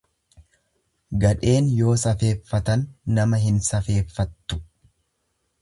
Gadheen yoo safeeffatan, nama hin safeeffattu.